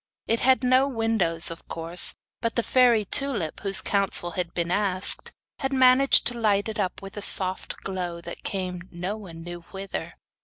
It had no windows, of course; but the fairy Tulip, whose counsel had been asked, had managed to light it up with a soft glow that came no one knew whither.